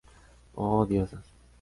Oh, Diosas!